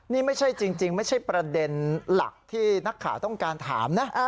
นี่ไม่ใช่จริงไม่ใช่ประเด็นหลักที่นักข่าวต้องการถามนะ